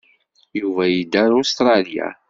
Yuba yedda ar Ustṛalya.